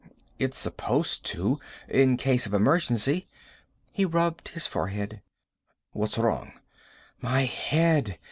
"It's supposed to. In case of emergency." He rubbed his forehead. "What's wrong?" "My head.